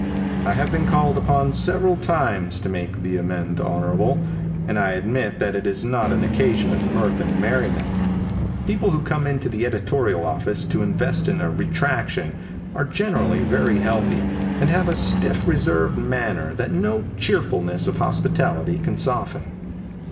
I have been called upon several times to make the amende honorable, and I admit that it is not an occasion of mirth and merriment. People who come into the editorial office to invest in a retraction are generally very healthy, and have a stiff, reserved manner that no cheerfulness of hospitality can soften..